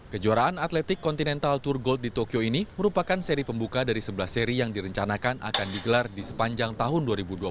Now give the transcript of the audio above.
kejuaraan atletik continental tour gold di tokyo ini merupakan seri pembuka dari sebelas seri yang direncanakan akan digelar di sepanjang tahun dua ribu dua puluh